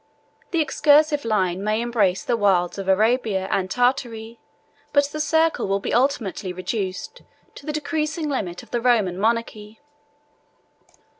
The excursive line may embrace the wilds of Arabia and Tartary, but the circle will be ultimately reduced to the decreasing limit of the Roman monarchy.